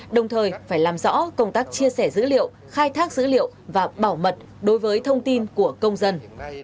đồng thời phải làm rõ công tác chia sẻ dữ liệu khai thác dữ liệu và bảo mật đối với thông tin của công dân